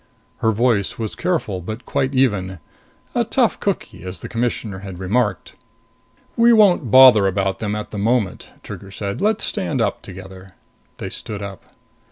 Her voice was careful but quite even. A tough cookie, as the Commissioner had remarked. "We won't bother about them at the moment," Trigger said. "Let's stand up together." They stood up.